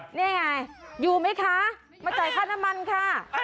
นี่ไงอยู่ไหมคะมาจ่ายค่าน้ำมันค่ะ